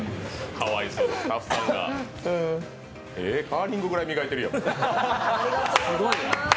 かわいそう、スタッフさんがカーリングぐらい磨いとるやん。